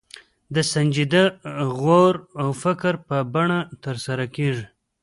د سنجیده غور او فکر په بڼه ترسره کېږي.